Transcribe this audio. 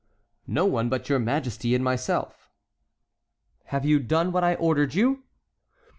"No one but your majesty and myself." "Have you done what I ordered you?"